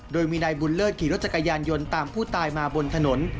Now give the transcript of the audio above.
โดยมีนายบุญเลิศขี่รถจักรยานยนต์ตามผู้ตายมาบนถนน